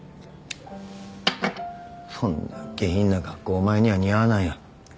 そんな下品な格好お前には似合わないよ。